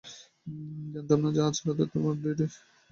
জানতাম না আজ রাতে তোর ডিউটি।